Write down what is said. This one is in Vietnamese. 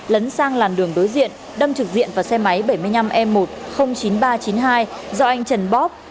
lấn sang làn đường đối diện đâm trực diện vào xe máy bảy mươi năm e một trăm linh chín nghìn ba trăm chín mươi hai do anh trần bóp